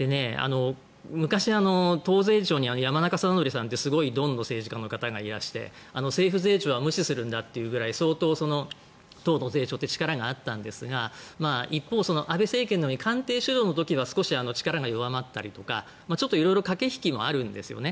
昔、党税調に山中貞則さんというすごいドンの政治家がいらして政府税調は無視するんだというくらい相当、党の税調って力があったんですが一方、安倍政権のように官邸主導の時は少し力が弱まったり色々駆け引きもあるんですよね。